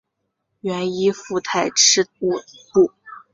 原依附泰赤乌部。